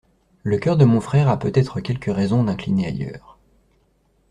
Le cœur de mon frère a peut-être quelques raisons d'incliner ailleurs.